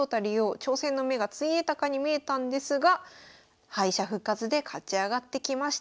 挑戦の目がついえたかに見えたんですが敗者復活で勝ち上がってきました。